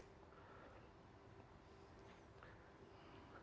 ketemu secara batin